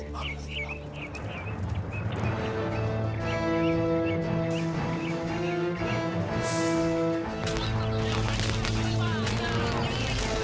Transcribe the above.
pak subu tolonglah percaya kepada aku